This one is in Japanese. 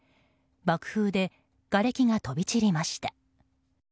爆風でがれきが飛び散りました。